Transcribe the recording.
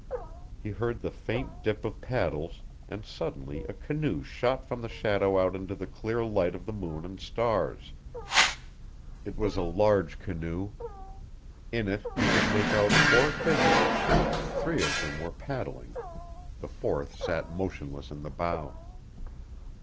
He heard the faint dip of paddles, and suddenly a canoe shot from the shadow out into the clear light of the moon and stars. It was a large canoe. In it he could make out four figures. Three of them were paddling; the fourth sat motionless in the bow.